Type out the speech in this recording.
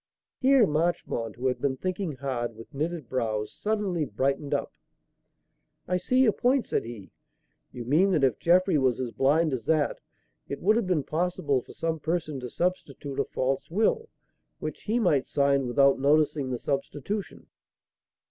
Here Marchmont, who had been thinking hard, with knitted brows, suddenly brightened up. "I see your point," said he. "You mean that if Jeffrey was as blind as that, it would have been possible for some person to substitute a false will, which he might sign without noticing the substitution."